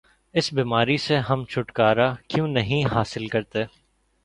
اس بیماری سے ہم چھٹکارا کیوں نہیں حاصل کرتے؟